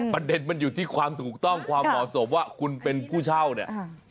ประเด็นมันอยู่ที่ความถูกต้องความเหมาะสมว่าคุณเป็นผู้เช่าเนี่ย